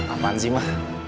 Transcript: aman sih ma